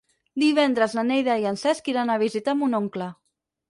Divendres na Neida i en Cesc iran a visitar mon oncle.